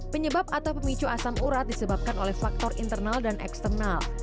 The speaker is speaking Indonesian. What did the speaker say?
penyebab atau pemicu asam urat disebabkan oleh faktor internal dan eksternal